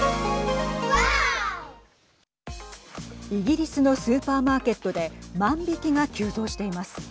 イギリスのスーパーマーケットで万引きが急増しています。